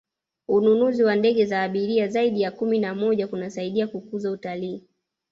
ununuzi wa ndege za abiriri zaidi ya kumi na moja kunasaidia kukuza utalii